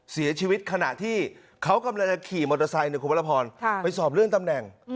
เสียชีวิตขณะที่เขากำลังจะขี่มอเตอร์ไซค์ในคุณพระพรค่ะไปสอบเรื่องตำแหน่งอืม